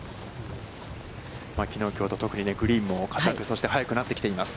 きのう、きょうと特にグリーンもかたく、そして早くなってきています。